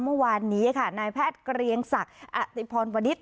เมื่อวานนี้ค่ะนายแพทย์เกรียงศักดิ์อติพรวนิษฐ